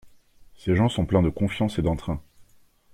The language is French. Ces gens sont pleins de confiance et d'entrain.